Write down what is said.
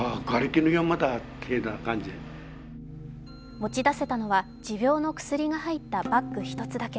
持ち出せたのは持病の薬が入ったバッグ１つだけ。